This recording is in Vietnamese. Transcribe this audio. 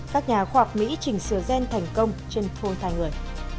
các nhà khoạc mỹ chỉnh sửa gen thành công trên thôn thai người